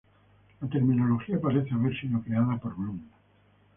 La terminología parece haber sido creada por Blum.